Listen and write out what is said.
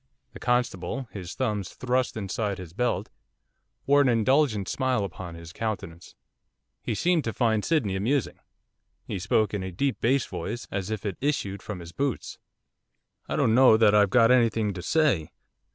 The constable, his thumbs thrust inside his belt, wore an indulgent smile upon his countenance. He seemed to find Sydney amusing. He spoke in a deep bass voice, as if it issued from his boots. 'I don't know that I've got anything to say.